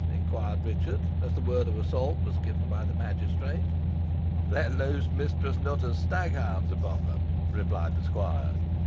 inquired Richard, as the word of assault was given by the magistrate. "Let loose Mistress Nutter's stag hounds upon them," replied the squire.